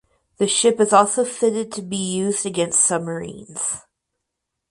The ship is also fitted to be used against submarines.